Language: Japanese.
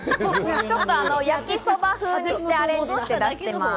焼きそば風にして、アレンジをして出しています。